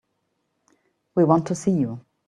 We want to see you.